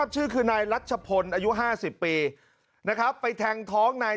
จิจิจิจิจิจิ